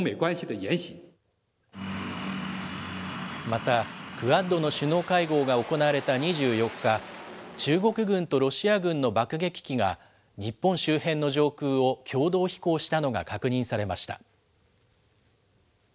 また、クアッドの首脳会合が行われた２４日、中国軍とロシア軍の爆撃機が、日本周辺の上空を共同飛行したのが確認されました。